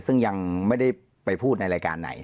ซึ่งยังไม่ได้ไปพูดในรายการไหน